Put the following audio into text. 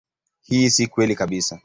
Hii si kweli kabisa.